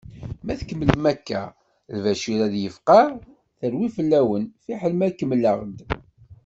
Ma tkemmlem akka Lbacir ad yefqeɛ, terwi fell-awen, fiḥel ma kemmleɣ-d.